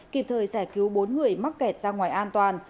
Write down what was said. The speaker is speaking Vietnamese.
kịp thời giải cứu bốn người mắc kẹt ra ngoài an toàn